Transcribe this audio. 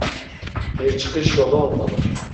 Bir çıkış yolu olmalı.